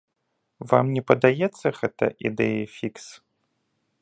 Вам не падаецца гэта ідэяй фікс?